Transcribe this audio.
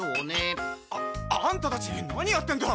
あアンタたち何やってんだ。